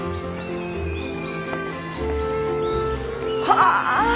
はあ！